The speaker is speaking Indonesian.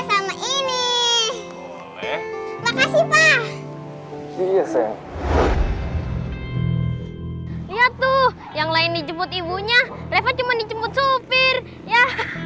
sama ini makasih pak iya sayang lihat tuh yang lain dijemput ibunya reva cuman dijemput sopir ya